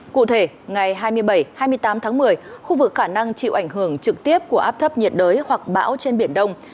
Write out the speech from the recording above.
cụ thể ngày hai mươi bảy hai mươi tám tháng một mươi khu vực khả năng chịu ảnh hưởng trực tiếp của áp thấp nhiệt đới hoặc bão trên biển đông